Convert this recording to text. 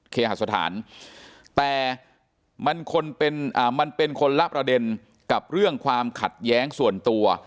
เคหสถานแต่มันคนเป็นมันเป็นคนละประเด็นกับเรื่องความขัดแย้งส่วนตัว